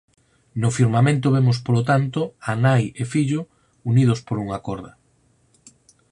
No firmamento vemos polo tanto a nai e fillo unidos por unha corda.